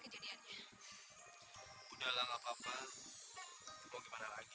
kejadiannya udah lah nggak apa apa mau gimana lagi